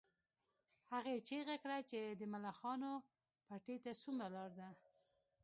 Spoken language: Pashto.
هغې چیغه کړه چې د ملخانو پټي ته څومره لار ده